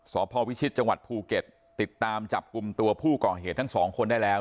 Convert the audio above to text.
สพวิชิตจังหวัดภูเก็ตติดตามจับกลุ่มตัวผู้ก่อเหตุทั้งสองคนได้แล้ว